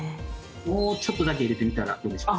もうちょっとだけ入れてみたらどうでしょう？